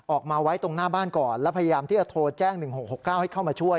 ออกมาไว้ตรงหน้าบ้านก่อนแล้วพยายามที่จะโทรแจ้ง๑๖๖๙ให้เข้ามาช่วย